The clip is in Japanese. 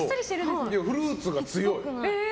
フルーツが強い。